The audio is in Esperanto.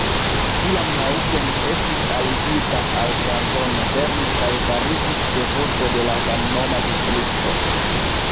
Tiam Laufen estis aligita al Kantono Berno kaj fariĝis ĉefurbo de la samnoma distrikto.